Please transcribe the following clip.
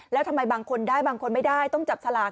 แล้วทำไมบางคนได้บางคนไม่ได้ต้องจับฉลาก